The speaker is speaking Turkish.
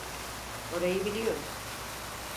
Orayı biliyorum.